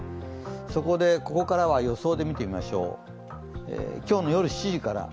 そこでここからは予想で見てみましょう、夜７時から。